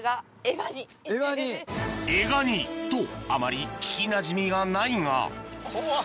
「エガニ」とあまり聞きなじみがないが怖っ。